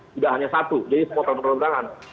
tidak hanya satu jadi semua calon perundangan